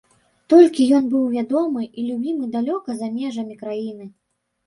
Толькі ён быў вядомы і любімы далёка за межамі краіны.